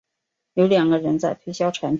有两个人在推销产品